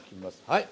はい。